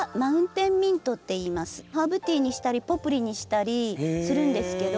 ハーブティーにしたりポプリにしたりするんですけど。